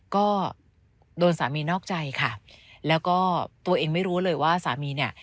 ก็โดนสามีนอกใจค่ะแล้วก็ตัวเองไม่รู้เลยว่าสามีเนี่ย